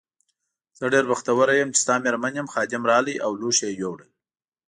زه ډېره بختوره یم چې ستا مېرمن یم، خادم راغی او لوښي یې یووړل.